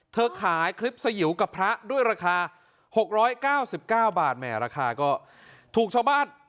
ขายคลิปสยิวกับพระด้วยราคา๖๙๙บาทแหมราคาก็ถูกชาวบ้าน